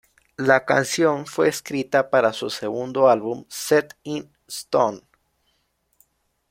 La canción fue escrita para su segundo álbum, Set in Stone.